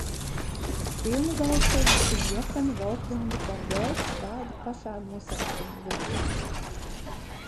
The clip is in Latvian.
Filma balstīta uz Johana Volfganga fon Gētes tāda pašā nosaukuma lugu.